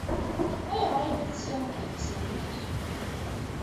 Ayɣer ay la tessirideḍ ifassen-nnek?